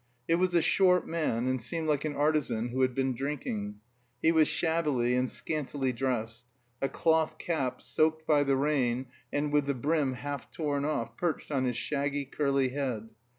It was a short man, and seemed like an artisan who had been drinking; he was shabbily and scantily dressed; a cloth cap, soaked by the rain and with the brim half torn off, perched on his shaggy, curly head.